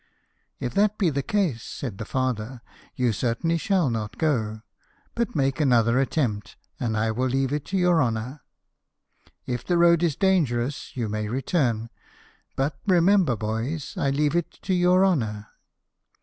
" If that be the case," said the father, " you certainly shall not go ; but make another attempt, and I will leave it to your honour. If the road is dangerous, you may return: but remember, boys, I leave it to your honour."